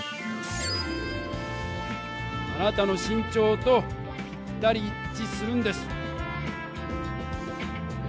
あなたの身長とぴったり一ちするんです！